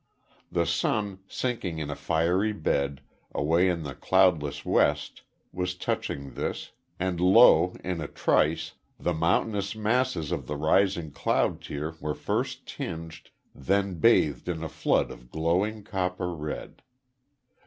The sun, sinking in a fiery bed, away in the cloudless west, was touching this and lo, in a trice, the mountainous masses of the rising cloud tier were first tinged, than bathed in a flood of glowing copper red.